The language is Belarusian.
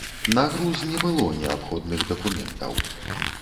На груз не было неабходных дакументаў.